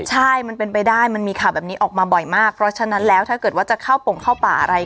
ใช่มันเป็นไปได้มันมีข่าวแบบนี้ออกมาบ่อยมากเพราะฉะนั้นแล้วถ้าเกิดว่าจะเข้าปงเข้าป่าอะไร